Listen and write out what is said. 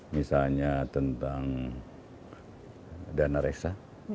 misalnya tentang dana reksa